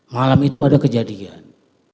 malam itu ada kejadian